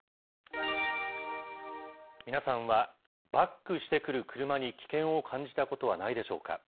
皆さんはバックしてくる車に危険を感じたことはないでしょうか。